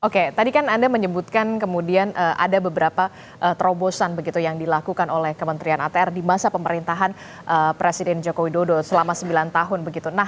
saya ingin mengingatkan kemudian ada beberapa terobosan yang dilakukan oleh kementerian atr di masa pemerintahan presiden joko widodo selama sembilan tahun